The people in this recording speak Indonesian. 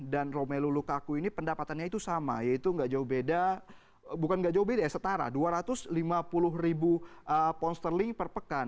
dan romelu lukaku ini pendapatannya itu sama yaitu dua ratus lima puluh ribu pound sterling per pekan